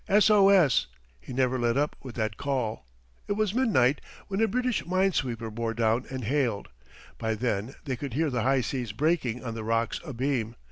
S O S he never let up with that call. It was midnight when a British mine sweeper bore down and hailed. By then they could hear the high seas breaking on the rocks abeam.